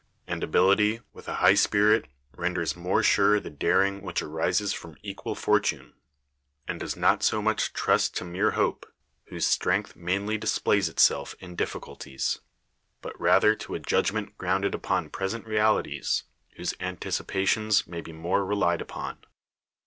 And ability, with a high spirit, ren ders more sure the daring which arises from equal fortune; and does not so much trust to mere hope, whose strength mainly displays it self in difficulties; but rather to a judgment grounded upon present realities, whose antici pations may be more relied upon.